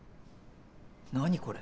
何これ。